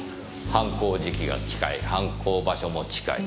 犯行時期が近い犯行場所も近い。